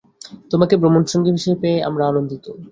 তোমাকে ভ্রমনসঙ্গী হিসেবে পেয়ে আমরা আনন্দিত।